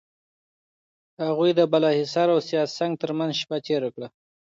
هغوی د بالاحصار او سیاه سنگ ترمنځ شپه تېره کړه.